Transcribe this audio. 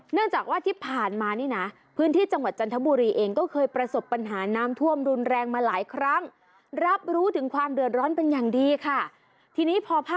เนื่องจากว่าที่ผ่านมาเนี่ยนะ